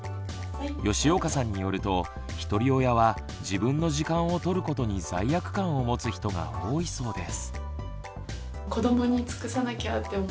吉岡さんによるとひとり親は自分の時間をとることに罪悪感を持つ人が多いそうです。